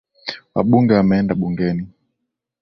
Wabunge wameenda bungeni